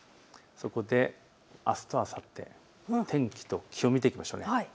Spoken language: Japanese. そこで、あすとあさって天気と気温を見ていきましょう。